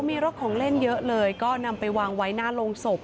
มีรถของเล่นเยอะเลยก็นำไปวางไว้หน้าโรงศพ